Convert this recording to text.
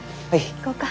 行こうか。